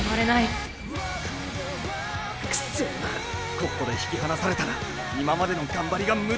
ここで引き離されたら今までの頑張りがムダになる！